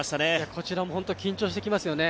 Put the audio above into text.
こちらも本当、緊張してきますよね。